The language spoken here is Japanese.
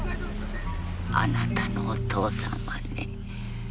あなたのお父さんはね